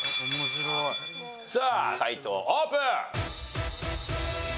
さあ解答オープン！